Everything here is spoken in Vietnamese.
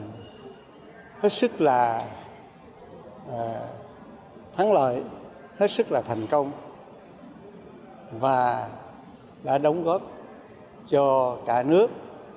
hết sức là thắng lợi hết sức là thành công và đã đóng góp cho cả nước